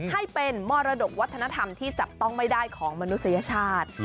ให้เป็นมรดกวัฒนธรรมที่จับต้องไม่ได้ของมนุษยชาติ